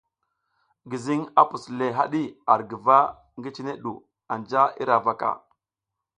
Gizing a a pus le hadi ar guva ngi, cine du anja ira huvaka.